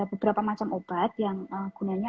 beberapa macam obat yang gunanya